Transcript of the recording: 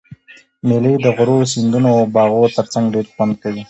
مېلې د غرو، سیندو او باغو ترڅنګ ډېر خوند کوي.